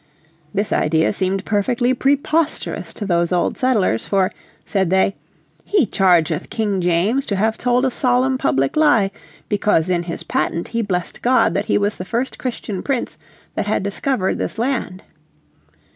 This idea seemed perfectly preposterous to those old settlers, for, said they, "he chargeth King James to have told a solemn, public lie, because in his patent he blessed God that he was the first Christian prince that had discovered this land."